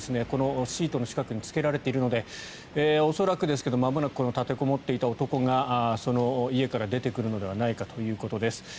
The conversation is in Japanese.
このシートの近くにつけられているのでまもなく立てこもっていた男が家から出てくるのではないかということです。